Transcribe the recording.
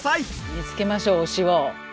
見つけましょう推しを！